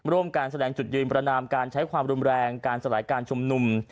ร่วมการแสดงจุดยืนประนามการใช้ความรุนแรงการสลายการชุมนุม